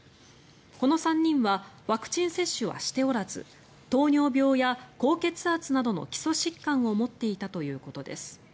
この３人はワクチン接種はしておらず糖尿病や高血圧などの基礎疾患を持っていたということです。